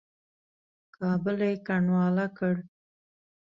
کابل یې کنډواله کړ.